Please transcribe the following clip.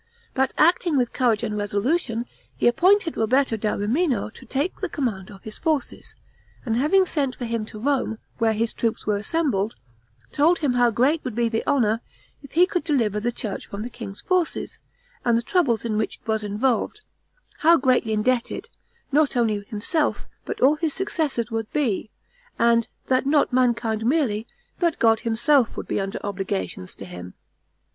But acting with courage and resolution, he appointed Roberto da Rimino to take the command of his forces; and having sent for him to Rome, where his troops were assembled, told him how great would be the honor, if he could deliver the church from the king's forces, and the troubles in which it was involved; how greatly indebted, not only himself, but all his successors would be, and, that not mankind merely, but God himself would be under obligations to him.